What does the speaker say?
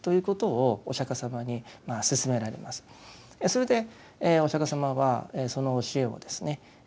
それでお釈迦様はその教えをですね